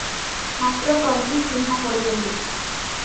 ମାତ୍ର ତନ୍ତୀ ଚିହ୍ନା ପଡ଼ିଗଲେ ।